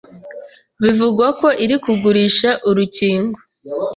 bivugwa ko iri kugurisha urukingo